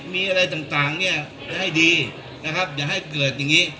มีอะไรต่างเนี่ยได้ให้ดีนะครับอย่าให้เกิดอย่างนี้